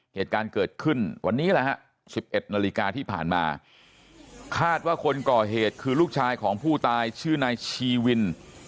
เหตุการณ์เกิดขึ้นวันนี้แหละฮะ๑๑นาฬิกาที่ผ่านมาคาดว่าคนก่อเหตุคือลูกชายของผู้ตายชื่อนายชีวิน